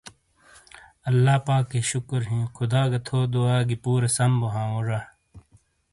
اللہ پاکئ شکر ہی خدا گہ تھو دعا گی پورے سم بو ہاں وہ زا۔